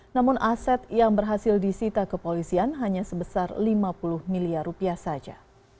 namun aset yang berhasil disita kepolisian hanya sebesar lima puluh miliar rupiah saja